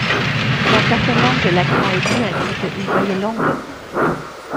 Dans certaines langues, l’accent aigu indique une voyelle longue.